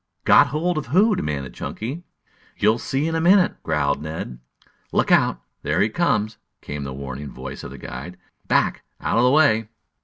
"Got hold of who?" demanded Chunky. "You'll see in a minute," growled Ned. "Look out! There he comes!" came the warning voice of the guide. "Back, out of the way!"